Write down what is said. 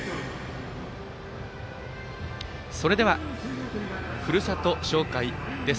それでは、ふるさと紹介です。